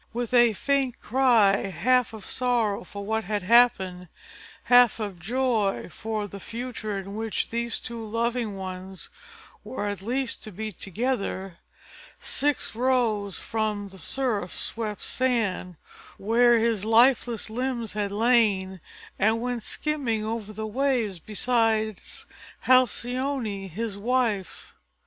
With a faint cry, half of sorrow for what had happened, half of joy for the future in which these two loving ones were at least to be together, Ceyx rose from the surf swept sand where his lifeless limbs had lain and went skimming over the waves beside Halcyone his wife.